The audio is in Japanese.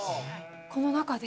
この中で？